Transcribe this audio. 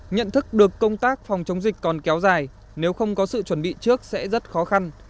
nhận thức được công tác phòng chống dịch còn kéo dài nếu không có sự chuẩn bị trước sẽ rất khó khăn